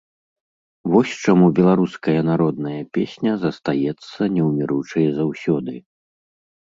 Вось чаму беларуская народная песня застаецца неўміручай заўсёды.